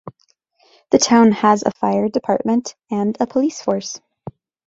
The town also has a fire department and a police force.